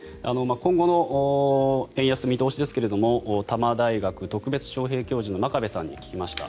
今後の円安の見通しですが多摩大学特別招へい教授の真壁さんに聞きました。